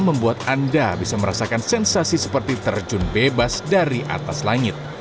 membuat anda bisa merasakan sensasi seperti terjun bebas dari atas langit